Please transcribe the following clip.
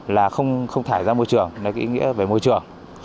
là không thải ra môi trường là ý nghĩa về môi trường